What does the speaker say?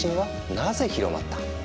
なぜ広まった？